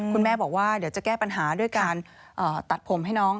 คุณแม่บอกว่าเดี๋ยวจะแก้ปัญหาด้วยการตัดผมให้น้อง